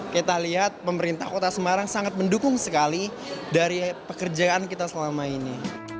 kita lihat pemerintah kota semarang sangat mendukung sekali dari pekerjaan kita selama ini